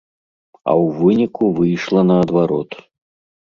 А ў выніку выйшла наадварот.